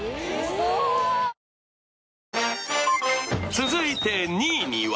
続いて２位には